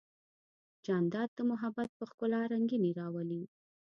جانداد د محبت په ښکلا رنګینی راولي.